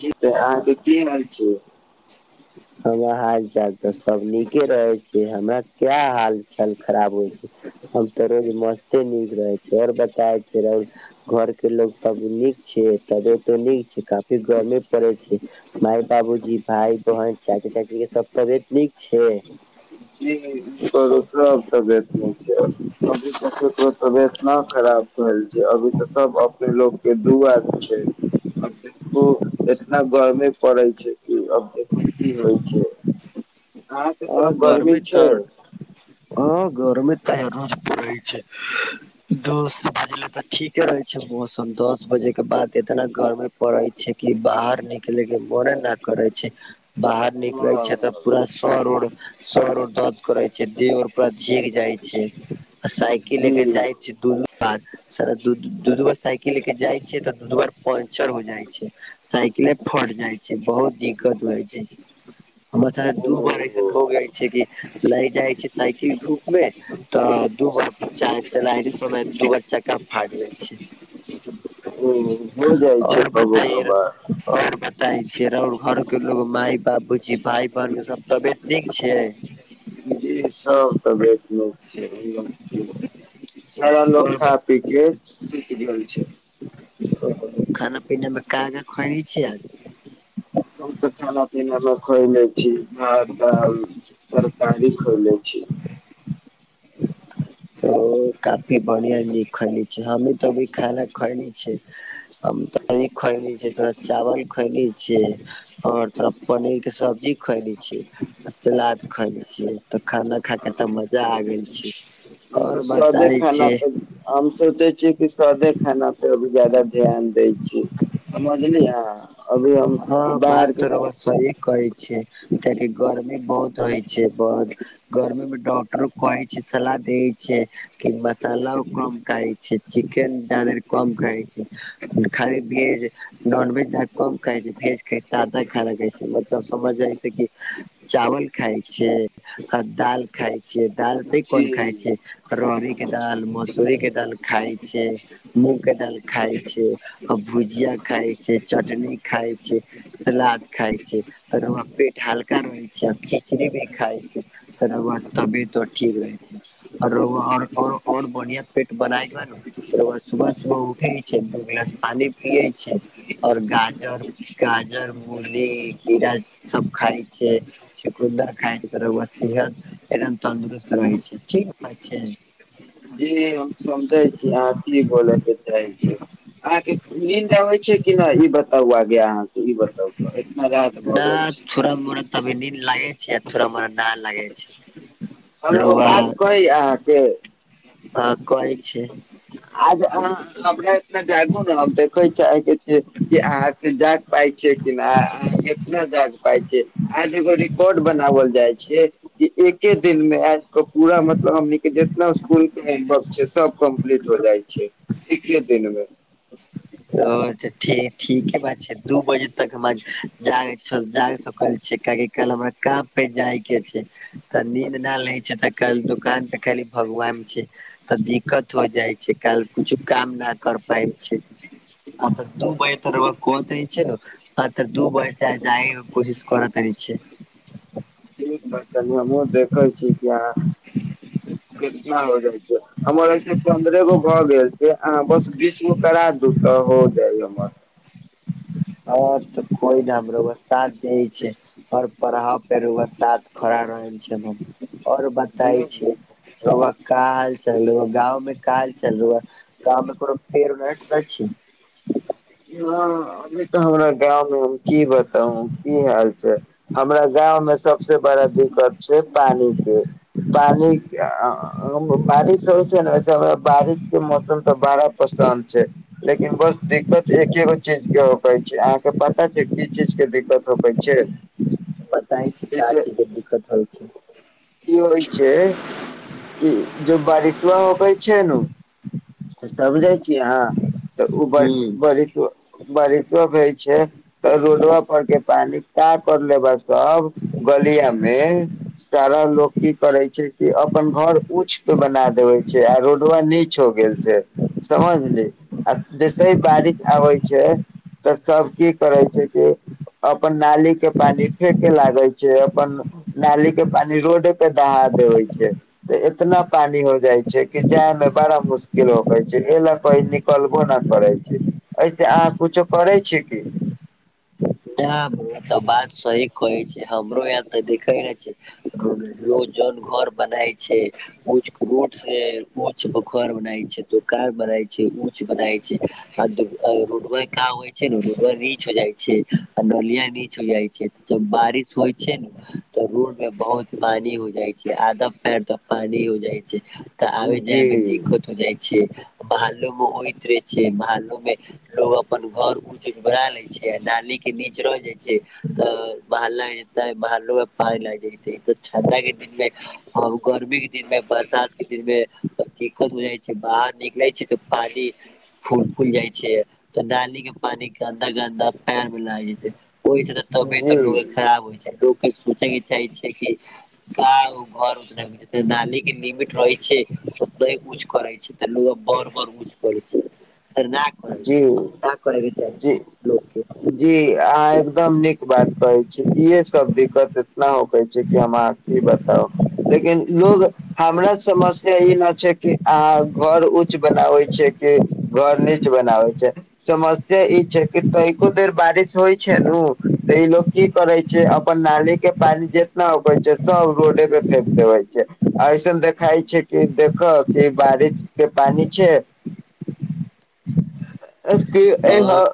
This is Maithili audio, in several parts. जी तऽ अहाँक की हाल छै। हमरा हाल-चाल तऽ सब नीके रहे छै, हमरा क्या हाल- चाल खराब होइ छै, हम तो रोज मस्ते नीक रहे छी और बताे छै र। घर के लोग सब नीक। छ तब तो नीक छै काफी गर्मी पड़े छै। माय-बाबूजी भाय-बहन। चाची-ताची के सब तबियत नीक छै। जी सब तबियत नहि छै, अभी तो तबियत न खराब। अभी तऽ सब अपने लोक के दुआ छै। ओ इतना गर्मी। पड़ै छै। की आब तऽ की-की होइ छै। अहां से के। गरमी त, हँ गरमी तऽ रोज परै छै। दस बजले तऽ ठीके रहे छै मौसम, दस बजे के बाद इतना गर्मी पड़ै छै कि बाहर निकले के मने न करै छै। बाहर निकलै हँ छै तऽ पूरा। सरो सरोड। बात करइ छै, देह और पुरा जैइर जाइ छै। आ साइकिल ले के जी जाइ छी दुनू। स दू दू बार साइकिल ले के जाइ छैियै तऽ दू दू बार पं्चर हो जाइ छैय साइकिले फट जाइ छैय बहुत दिक्कत हो छैय हमर स दू ओ बार ऐसन हो गय छैय कि लय जाइ छैय साइकिल धूप मे तऽ दू बार च चला समय दू बार चक्का फाट जाइ छैय। ओ हो जाइ छै कबो बाबा। सर घरके लोग माय बाबू जी भाय बहिन के सब तबियत ठीक छियै। ई सब तऽ। सारा लोग खा-पी के सुइत गेल छै। खाना पीना में का का खैनी छै आज बहु तऽ खाना-पीना पीना में खैले। छी भात दाल तरकारी खैल छी। ओ भी बढ़िया न खेले छी हमु त अभी खान खाइले। तो खोएली छ तथोरा चावल खोएली छिय। और थोड़ा पनीर के सब्जी खाएले छियै आ सलाद खाएले छियै त खाना खा के त मजा आ गेल छैय। हमते सदे खाना खाइ हम सोचे छी। कि सादे खाना पे भी जादा ध्यान दै छी समझलिये। हँ बात त रौआ सही कहे छिये कियेकि गर्मी बहुत रहइ छैय। जे बात गर्मीमे डाब कह छैय सलाह दै छैय कि मसाला कम खाइ छैय, चिकेन जाधेर कम खाइ छैय खाली भेज नॉनवेज कम भेज के साथ सादा खाइ छिये मतलब समझ जाै कि चावल खाय छिये आ दाल खाय छिये दाल त जी कोन खाइ छिय रड़ी के दाल मसूरी के दाल खाय छैय, मूँग के दाल खाय छैय, आ भुजिया खाय छैय, चटनी खाय छैय, सलाद खाय छैय, तकर बाद पेट हल्का रहे छैय, खिचड़ी भी खाय छैय, तकर बाद तबियतो ठीक रहे छैय और और और बढ़िया पेट बनाय के बाद सुबह सुबह उठे छैय दू गिलास पानी पिय छैय और गाछ जर गाजर, मूली, खीरा सब खा छैय, चुकुन्दर खाय छैय त सेहत एकदम तन्दुरुस्त रहै छैय ठीक छैय। जी हम समझे छी अहाँ की बोले के चाहे छी अहाँ के नींद आबै छै की नहि ई बताउआ। ब्याहन न थो छै थोड़ा मोड़ा तब निन लागे छै। [unintelligible] न लागे हम छैय एगो रौवा बात कही अहाँके आ कहे छैय। आज अहाँ हमरा इतना जागू ने हम देखे चाहे के छी कि अहाँ के जाग पाय छी कि न अहाँ केितना जाग पाय छी आज एगो रिकॉर्ड बनावल जाय छे। एके दिनमे आज कऽ पूरा मतलब हमने जितना इसकुल के होमवर्क छैय सब कम्प्लीट हो जाइ छैय एके दिनमे। ओ त ठी ठीके बात छै दू बजे तक हमरा जाइ छल जाइ सकल छै किआकि कल हमरा काम पे जायके छै। तऽ नींद नहि लै छै तऽ कल दुकान पे खाली भगवान छै तऽ दिक्कत हो जाइ छै कल कुछु काम न कर पाय छी। अ तऽ तु रौआ‌ कऽ दै छै ने आ तऽ दू बज जाइ कोशिश करत छैय। ठीक बा हमहुँ देखे छी कि अहां कितना हो जाइ छैय। हमर ऐसे पन्द्रह गो भऽ गेल छैय अहाँ बस बीसगो करा दू तऽ हो जाइ हमर। ह तऽ कोइ ने हम रौआ साथ दै छै पर पढ़ाब फेर रौआ स साथ खड़ा रहै छी। केहनो‌ भी आओर जी बताय जी छै रौआ का हाल चाल गाँंव में का हाल चाल हुअ? कामे करब फेरो राखि दै छी। इहाँ अभी तऽ हमरा गाँंव मे हम की बताउ की हाल छै हमरा गाँंव मे सबसे बड़ा दिक्कत छै पानी के पानि बारिश होइ छै नेे ओइसे हमरा बारिश के मौसम तऽ बड़ा पसन्द छै लेकिन बस दिक्कत एकेगो चीज के होकै छै अहाँके पता छै की चीज के दिक्कत होकै छै? बताय छै का जैसे चीज के दिक्कत होइ छै कि होइ छै कि जब बारिश स्ला होकै छै नू त समझै छिय आहाँ? तऽ ओ ब हूँ बड़ीश बारिशो भय छै तऽ रोडवा पर के पानी का कर लेबा सब गलिआ मे सारा लोग की करे छै कि अपन घर ऊंच के बना देवे छै आ रोडवा नीच हो गेल। छै समझली आ जैसे बारिश आबै छै तऽ सब की करे छै कि अपन नाली के पानी फेके लागे छै अपन नाली के पानी रोड पे दहा देवे छै तऽ इतना पानी हो जाइ छै कि जाय मे बड़ा मु के लोको कहै छै एहि लए कोई निकलबो नहि करै छै ऐसे अहा कुछो करै छी की? नहि हमरो तऽ बात सही कहै छै हमरो इहाँ तऽ देखे न छी रोज जन घर बनाय छै उंच रोड से ऊच घर बनाय छै दोकान बना छै ऊंच बनाय छै आ रोडवे काम होइ छै नू रोडवा नीच हो जाइ छै। आ नलिया नीच हो जाइ छै जब बारिश होइ छै ने तऽ रोड मे बहुत पानी हो जाय छै आदब पैर तऽ पानी हो जाइ छै। तऽ आबे जी जायमे दिक्कत हो जाइ छै। महल्लो में होइत रहे छै महल्लो में लोग अपन घर उंच बना ले छै नाली के नीच रह जाइ छै तऽ महल्ला ऐते महल्लो में पानी लागि जइतेै तऽ ठण्डा के दिन मे गर्मी के दिन मे बरसात के दिन मे तऽ दिक्कत हो जाइ छै बाहर निकलै छी तऽ पानी फूल खुल जाइ छै तऽ नाली के पानी गन्दा गन्दा पैन मिला जेतै ओहीसे न तबियत अर जी लोगके खराब होइ छै। लोग सोचैके चाहै छै, कि गाँव, घर [unintelligible] नाली ही लिमिट रहै छै। नहि कुछ करै छै तऽ लोक बड़-बड़ ऊँच कऽ लैत छै। [unintelligible] करय जी छै [unintelligible] करयके चाहै जी छै लोकके। जी अहाँ एकदम नीक बात कहै छी इहे सब दिक्कत इतना होके छै कि हम अहाँ कि बताउ लेकिन लोग हमरा समस्या ई न छै कि अहाँ घर उच्च बनाबे छियै कि घर नीचा बनाबे छियै समस्या ई छै कि तनिको देर बारिश होइ छै ने तऽ ई लोग की करे छै अपन नालीके पानी जितना होबै छै, सब रोडे पे फेेक देबै छै। ऐसन देखाइ छै, कि देखह, कि बारिशके पानी छै। अ कि हँ इहाँ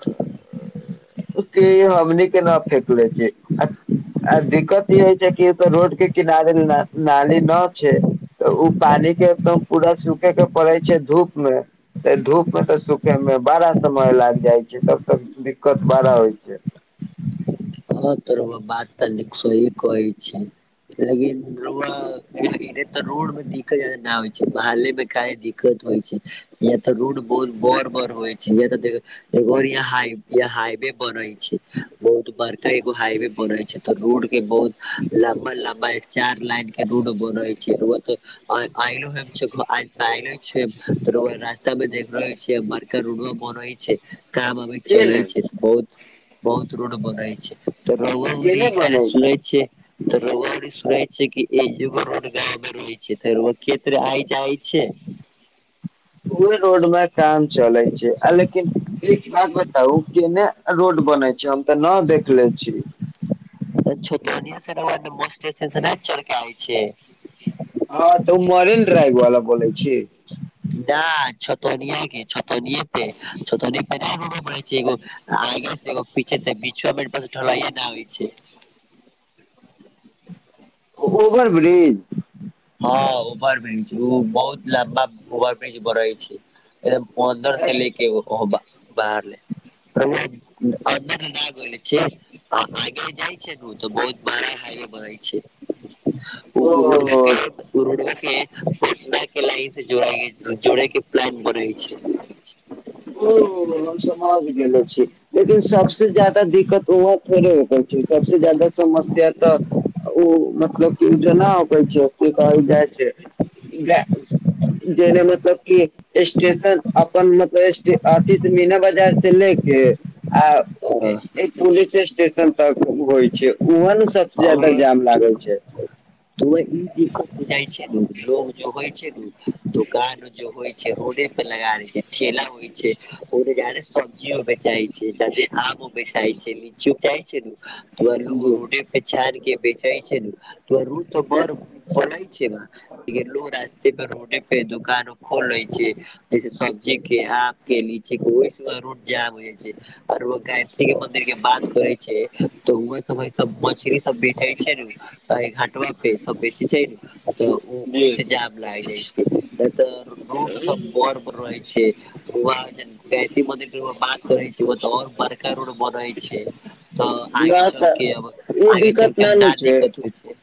ओ कहै हइ, हमनीके ना फेेकले छी। आ आ दिक्कत ई हइ छै कि एतय रोडके किनारे ना नाली न छै, तऽ ऊ पानीके एकदम पूरा सूखयके पड़ै छै धूपमे, तऽ धूपमे तऽ सूखयमे बड़ा समय लागि जाइ छै तब तक दिक्कत बड़ा होइ छै। हँ तऽ रौआ बात तऽ सही कहै छै, लेकिन रौआके [unintelligible] रोडमे दिक्कत ना होइ छै, बहालेमे काहे दिक्कत होइ छै। या तऽ रोड बहुत बड़-बड़ होइ छै या तऽ देखियौ बढ़िआँ जाइ हाईवे बनै छै, बहुत बड़ तैँ एगो हाईवे बनै छै। तऽ रोड के बहुत लम्बा लम्बा चार लाइन के रोडो बनै छै। रउआ के [unintelligible] तऽ रउआ रास्ता मे देख रहल छै बड़का रोड बनै छै। काम अभी के चलै ने छै बहुत। बहुत रोड बनै छै। [unintelligible] छै केने बनै कि एक जगह रोड गायबे रहै छै फेर ओ खेत रे आइ जाइ छै। ओहि रोड मे काम तऽ ओ केने रोड बनै छै? हम तऽ ना देखले छी। छोटानी से रउआ द बस स्टेशन से नइ चढ़के आबै छियै? हँ तऽ ओ मरीन ड्राइव वाला बोलै छी? ना, छोटनिया के छो- टनिये के। छोटनी के [unintelligible] नै छै एगो आगे से एगो पि- छै, से बिचुआ बाईपास ढलाइए ने आबै छै। ओ ओभर ब्रिज? हँ ओभर ब्रिज। ओ बहुत ज्यादा ओभर ब्रिज बढ़ै छै। एकदम ओ अन्दर से लेके [unintelligible] बाहरले। रउआ अन्दर मे ना गइले छै? आ आगे जाइ छै, तऽ ऊ तऽ बहुत बड़ा हाईवे बनै छै। उ ओ उ रोडवे के उ रोडवे के पटना के लाइन से जोड़ाइ के छै। जोड़यके प्लान बनै ओ, हम सम आबि गेलो छी लेकिन सबसे जादा दिक्कत हुंआ थोडे रोपै छै सबसे ज्यादा समस्या तऽ ऊ मतलब कि जेनाअ जो की कहल जाइ छै जाय जेने मतलब की स्टेशन अपन मत स्टे अथी मीना बाजार से ले के आ एई पुलिस स्टे स्टेशन तक होइ छै [unintelligible] [unintelligible] [unintelligible] लोग, जाम लागै छै लोग जे होइ छै दोकान जे होइ छै रोडे पर लगा लैइ छै ठेला होइ छै [unintelligible] जिओ बेचाई छै। [unintelligible] चाय छै [unintelligible] हवै लु जी रोडे प आनिके बेचै छै करू त बड़ बनत छै ना [unintelligible] रोडे पे दुकानो खोल रहे छै जैसे सब्जी के आम के लीची के ओईसे वहाॅं रोड जाम हो जाय छै आर ओ गायत्री के मंदिर के बात करे छै तऽ वै सबैसब मछरी सब बेचे छै ने छै ताई घटवा पे सब बेचे छै ने तऽ ओहि से जी जाम लाग जाय छै नै त रोड सब बड बड रहे छै वा गायत्री मंदिर रउआ बात करै छै ओ तऽ आओर बड़का रोड बनै छै तऽ आगे न तऽ चलके अब ई आगे दिक्कत चलके अब ना दिक्कत होइ छै।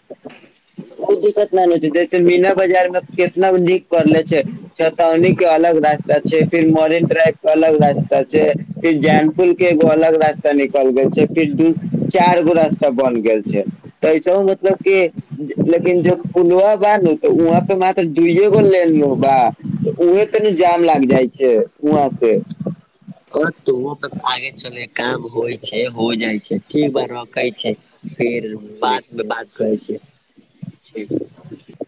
कोई दिक्कत ना नु छैइ। जैसे मीना बाजार मे केतना नीक करले छै छतौनी के अलग रास्ता छै फिर मरीन ड्राइव के अलग रास्ता छै फिर जैनपुर के एगो अलग रास्ता निकल गेल छै फिर दू चार गो रास्ता बन गेल छै तैसेहु मतलब की जे लेकिन जब पुलवा बा नु तऽ उहाँ पे मात्र दुइए गो लेन नु बा उहे तनी जाम लाग जाइ छै उहाँ पे त ओ ब आगे चले काम होइ छै हो जाइ छै ठीक बा रखै छी। फेर बाद ठीक मे बात करै छी। ठीक